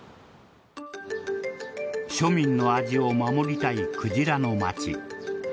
庶民の味を守りたいクジラの街。